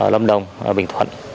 lâm đồng bình thuận